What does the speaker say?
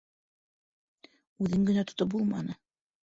Үҙен генә тотоп булманы.